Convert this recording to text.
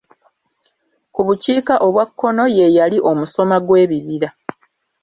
Ku bukiika obwa kkono ye yali omusoma gw'ebibira.